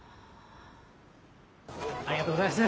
ありがとうございます。